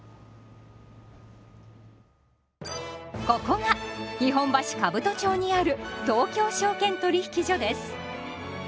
ここが日本橋兜町にある東京証券取引所です。